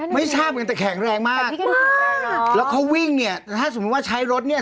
ไม่ทราบเหมือนกันแต่แข็งแรงมากแล้วเขาวิ่งเนี่ยถ้าสมมุติว่าใช้รถเนี่ย